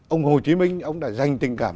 ông hồ chí minh đã dành tình cảm